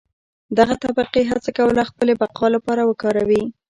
دغه طبقې هڅه کوله خپلې بقا لپاره وکاروي.